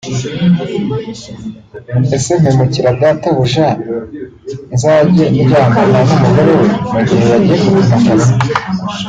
Ese mpemukire Databuja nzajye ndyamana n’umugore we mu gihe yagiye mu kazi